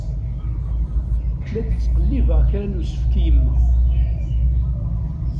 La d-ttqellibeɣ kra n usefk i yemma.